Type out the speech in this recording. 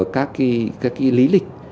các cái lý lịch